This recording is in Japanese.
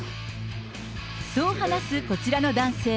そう話すこちらの男性。